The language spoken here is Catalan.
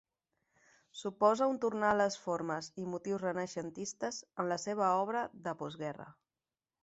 Suposa un tornar a les formes i motius renaixentistes en la seva obra de postguerra.